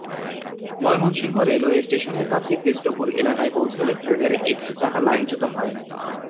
Mymensingh railway স্টেশনের কাছে কৃষ্টপুর এলাকায় পৌঁছালে ট্রেনের একটি চাকা লাইনচ্যুত হয়।